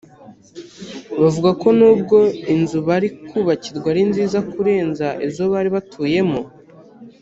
Bavuga ko nubwo inzu bari kubakirwa ari nziza kurenza izo bari batuyemo